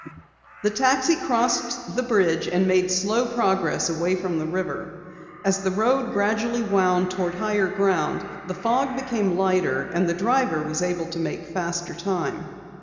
The taxi crossed the bridge and made slow progress away from the river. As the road gradually wound toward higher ground, the fog became lighter and the driver was able to make faster time.